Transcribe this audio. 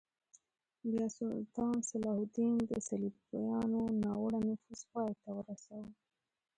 بیا سلطان صلاح الدین د صلیبیانو ناوړه نفوذ پای ته ورساوه.